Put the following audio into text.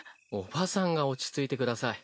叔母さんが落ち着いてください。